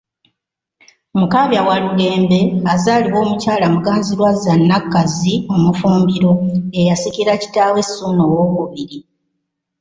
Mukaabya Walugembe azaalibwa Omukyala Muganzirwazza Nakkazi Omufumbiro, ye yasikira kitaawe Ssuuna II.